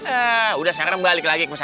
eh udah serem balik lagi ke sana